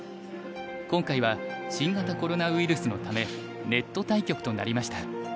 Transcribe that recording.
今回は新型コロナウイルスのためネット対局となりました。